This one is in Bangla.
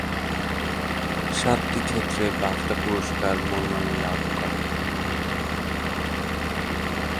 সাতটি ক্ষেত্রে বাফটা পুরস্কার মনোনয়ন লাভ করে।